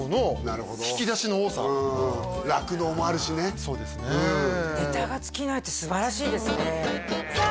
そうですねネタが尽きないってすばらしいですねさあ